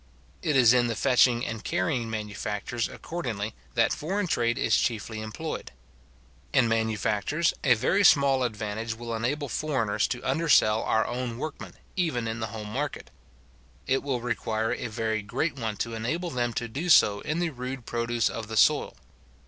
It is in the fetching and carrying manufactures, accordingly, that foreign trade is chiefly employed. In manufactures, a very small advantage will enable foreigners to undersell our own workmen, even in the home market. It will require a very great one to enable them to do so in the rude produce of the soil.